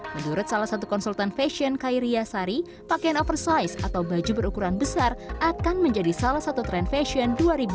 menurut salah satu konsultan fashion kairia sari pakaian oversize atau baju berukuran besar akan menjadi salah satu tren fashion dua ribu dua puluh